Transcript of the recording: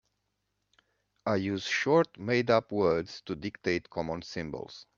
I use short made-up words to dictate common symbols.